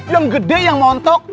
yang gede yang montok